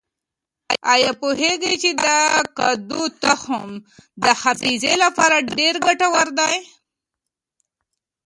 آیا پوهېږئ چې د کدو تخم د حافظې لپاره ډېر ګټور دی؟